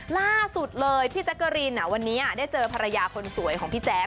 ล่าสุดเลยพี่แจ๊กกะรีนวันนี้ได้เจอภรรยาคนสวยของพี่แจ๊ค